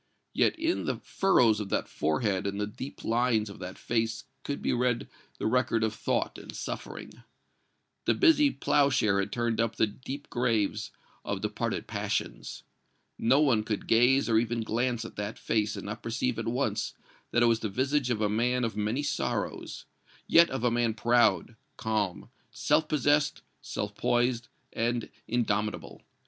Yet in the furrows of that forehead and the deep lines of that face could be read the record of thought and suffering. The busy plowshare had turned up the deep graves of departed passions. No one could gaze or even glance at that face and not perceive at once that it was the visage of a man of many sorrows yet of a man proud, calm, self possessed, self poised and indomitable.